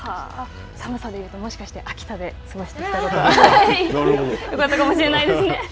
寒さでいうと、もしかして秋田で過ごしてきたことがよかったかもしれないですね。